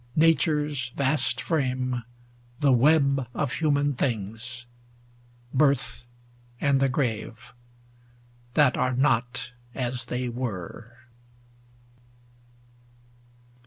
Nature's vast frame, the web of human things. Birth and the grave, that are not as they were.